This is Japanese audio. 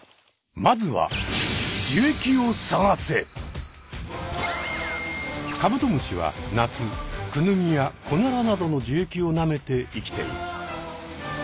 まずはカブトムシは夏クヌギやコナラなどの樹液をなめて生きている。